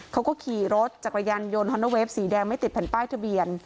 เขาก็ขี่รถจักรยานยนต์ฮอนเวฟสีแดงไม่ติดแผ่นป้ายทะเบียน